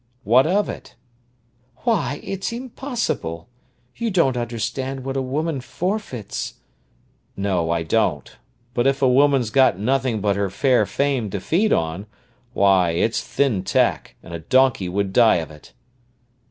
"What of it?" "Why, it's impossible! You don't understand what a woman forfeits—" "No, I don't. But if a woman's got nothing but her fair fame to feed on, why, it's thin tack, and a donkey would die of it!"